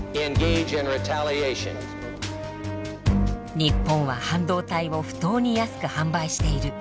日本は半導体を不当に安く販売している。